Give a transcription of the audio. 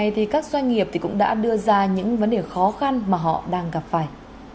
thì các doanh nghiệp cũng đã đưa ra những vấn đề khó khăn mà họ đang gặp phải